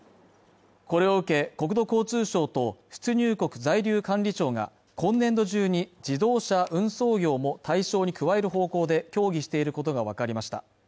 これを受け国土交通省と出入国在留管理庁が今年度中に自動車運送業も対象に加える方向で協議していることが分かりました